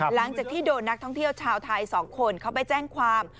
หลังจากที่โดนนักท่องเที่ยวชาวไทย๒คนเขาไปแจ้งความ